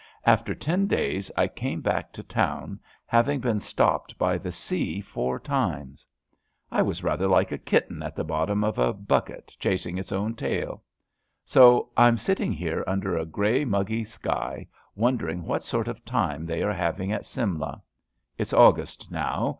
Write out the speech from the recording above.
After ten days I came back to town, having been stopped by the sea four times. I 200 ABAFT THE FUNNEL was rather like a kitten at the bottom of a bucke chasing its own tail. So I'm sitting here under a grey, muggy sky wondering what sort of time they are having at Simla. It's August now.